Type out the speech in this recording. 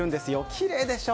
きれいでしょ？